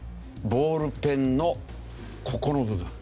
ボールペンのここの部分。